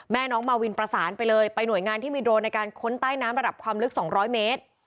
น้องมาวินประสานไปเลยไปหน่วยงานที่มีโดรนในการค้นใต้น้ำระดับความลึก๒๐๐เมตร